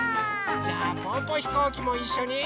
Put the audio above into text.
じゃあぽぅぽひこうきもいっしょに。